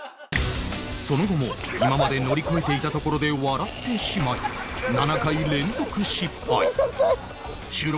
その後も今まで乗り越えていたところで笑ってしまいもうここで？